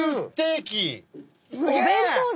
すげえ！